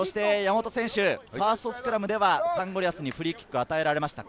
ファーストスクラムではサンゴリアスにフリーキックが与えられました。